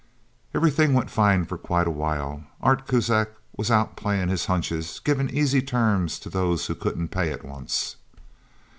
Everything went fine for quite a while. Art Kuzak was out playing his hunches, giving easy terms to those who couldn't pay at once.